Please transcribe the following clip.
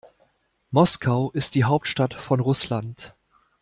Moskau ist die Hauptstadt von Russland.